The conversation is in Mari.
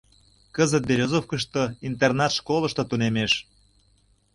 Кызыт Берёзовкышто интернат школышто тунемеш.